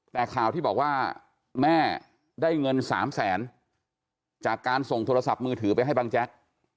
แต่ข่าวที่บอกว่าแม่ได้เงิน๓แสนจากการส่งโทรศัพท์มือถือไปให้บังแจ๊ก